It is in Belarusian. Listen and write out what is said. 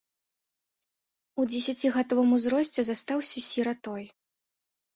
У дзесяцігадовым узросце застаўся сіратой.